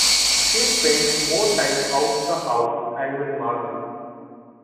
She spends more time out the house and with Marlon.